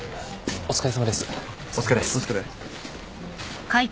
お疲れ。